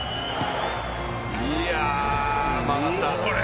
いやー、曲がった。